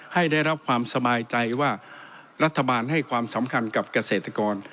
ให้ได้รับความสบายใจว่ารัฐบาลให้ความสำคัญกับเกษตรกร